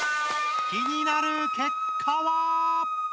気になる結果は！？